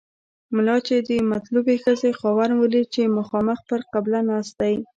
ملا چې د مطلوبې ښځې خاوند ولید چې مخامخ پر قبله ناست دی.